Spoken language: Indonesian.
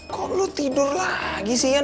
kok lo tidur lagi sih